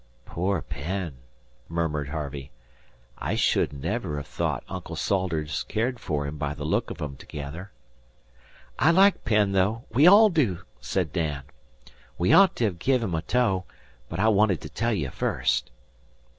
"Poor Penn!" murmured Harvey. "I shouldn't ever have thought Uncle Salters cared for him by the look of 'em together." "I like Penn, though; we all do," said Dan. "We ought to ha' give him a tow, but I wanted to tell ye first."